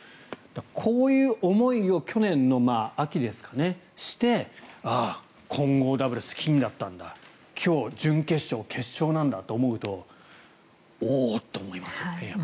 こういう思いを去年の秋にしてああ、混合ダブルス金だったんだ今日、準決勝、決勝なんだと思うとおおー、と思いますね。